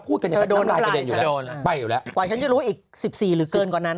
พูดกันอยู่แล้วไปอยู่แล้วกว่าฉันจะรู้อีกสิบสี่หรือเกินกว่านั้น